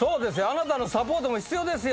あなたのサポートも必要ですよ。